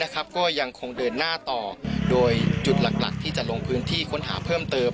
ก็ยังคงเดินหน้าต่อโดยจุดหลักที่จะลงพื้นที่ค้นหาเพิ่มเติม